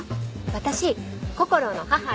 私こころの母です。